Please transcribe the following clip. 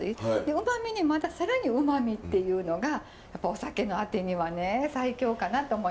うまみにまた更にうまみっていうのがやっぱお酒のあてにはね最強かなと思いまして。